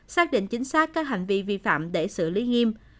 xác định chính xác các hành vi vi phạm để xử lý nghiêm